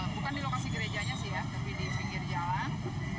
bukan di lokasi gerejanya sih ya tapi di pinggir jalan